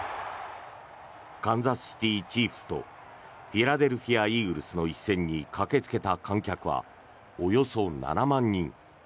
カンザスシティ・チーフスとフィラデルフィア・イーグルスの一戦に駆けつけた観客はおよそ７万人。